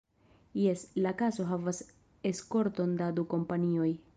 Jes: la kaso havas eskorton da du kompanioj.